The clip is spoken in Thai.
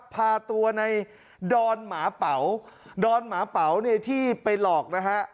พาตัวในดอนหมาเป๋าดอนหมาเป๋าเนี่ยที่ไปหลอกนะฮะ